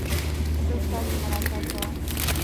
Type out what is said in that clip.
زه ستاسو ملاتړ کوم